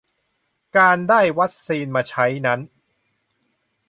การได้วัคซีนมาใช้นั้น